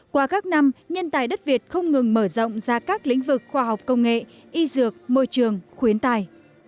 qua các năm nhân tài đất việt không ngừng mở rộng ra các lĩnh vực khoa học công nghệ y dược môi trường khuyến tài